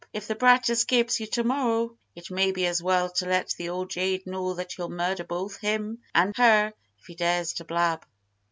"If the brat escapes you to morrow, it may be as well to let the old jade know that you'll murder both him and her, if he dares to blab."